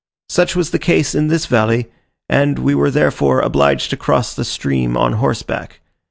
Such was the case in this valley, and we were therefore obliged to cross the stream on horseback.